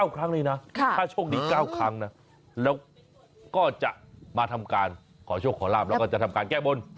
ครั้งเลยนะถ้าโชคดี๙ครั้งนะแล้วก็จะมาทำการขอโชคขอลาบแล้วก็จะทำการแก้บน